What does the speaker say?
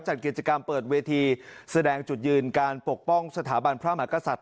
จัดกิจกรรมเปิดเวทีแสดงจุดยืนการปกป้องสถาบันพระมหากษัตริย